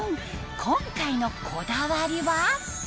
今回のこだわりは？